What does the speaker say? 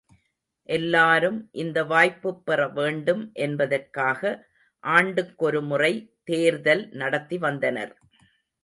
எல்லாரும் இந்த வாய்ப்புப் பெறவேண்டும் என்பதற்காக ஆண்டுக் கொருமுறை தேர்தல் நடத்தி வந்தனர்.